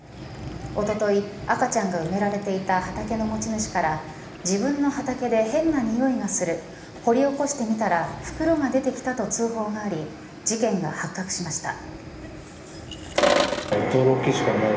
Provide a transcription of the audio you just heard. おととい、赤ちゃんが埋められていた畑の持ち主から自分の畑で変なにおいがする掘り起こしてみたら袋が出てきたと通報があり事件が発覚しました。